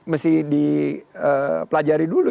mesti di pelajari dulu